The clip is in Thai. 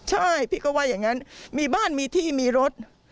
ใช่พี่ก็ว่าอย่างนั้นมีบ้านมีที่มีรถ